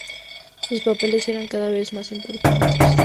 Sus papeles eran cada vez más importantes.